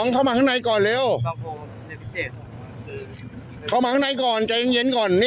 จังหวะนี้คุณชนะ